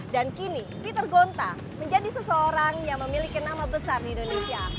dan kini peter gonta menjadi seseorang yang memiliki nama besar di indonesia